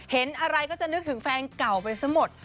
เห็นอะไรก็จะนึกถึงแฟนเก่าไปซะหมด